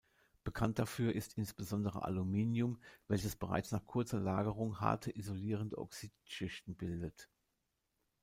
Bekannt dafür ist insbesondere Aluminium, welches bereits nach kurzer Lagerung harte isolierende Oxidschichten bildet.